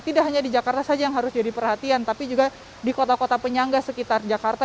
tidak hanya di jakarta saja yang harus jadi perhatian tapi juga di kota kota penyangga sekitar jakarta